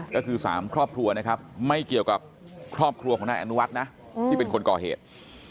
ก็คือ๓ครอบครัวนะครับไม่เกี่ยวกับครอบครัวของนายอนุวัฒน์นะที่เป็นคนก่อเหตุ